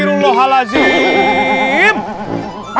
ini lagi pak